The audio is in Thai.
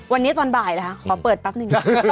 วันนี้ตอนบ่ายนะคะขอเปิดแป๊บหนึ่ง